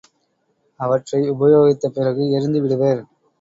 அவற்றை உபயோகித்த பிறகு எறிந்து விடுவர்.